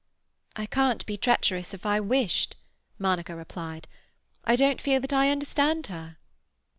"I can't be treacherous if I wished," Monica replied. "I don't feel that I understand her."